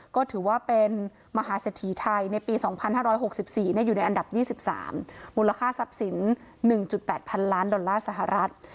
ก็ถือว่าเป็นมหาเศรษฐีไทยในปี๒๕๖๔อยู่ในอันดับ๒๓มูลค่าทรัพย์สิน๑๘๐๐๐ล้านดอลลาร์สหรัฐ